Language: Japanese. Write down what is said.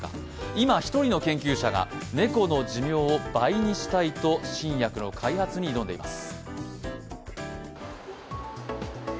今、１人の研究者が猫の寿命を倍にしたいと新薬の開発に挑んでいます。